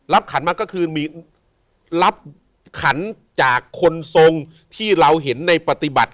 ขันมาก็คือมีรับขันจากคนทรงที่เราเห็นในปฏิบัติ